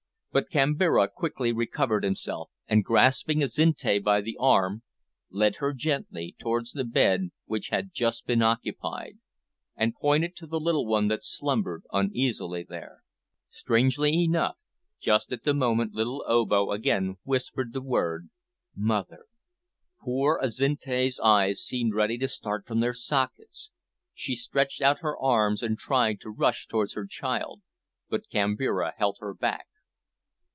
But Kambira quickly recovered himself, and, grasping Azinte by the arm, led her gently towards the bed which had just been occupied, and pointed to the little one that slumbered uneasily there. Strangely enough, just at the moment little Obo again whispered the word "mother." Poor Azinte's eyes seemed ready to start from their sockets. She stretched out her arms and tried to rush towards her child, but Kambira held her back.